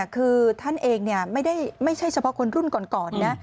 คือท่านเองไม่ใช่เฉพาะคนรุ่นก่อนนะ